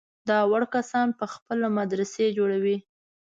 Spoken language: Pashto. دا وړ کسان په خپله مدرسې جوړوي.